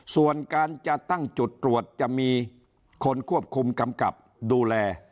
ส่วนการจะตั้งจุดตรวจจะมีคนควบคุมกำกับดูแล